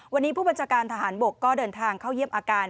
วันนี้ผู้บัญชาการทหารบกก็เดินทางเข้าเยี่ยมอาการ